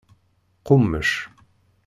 Qummec.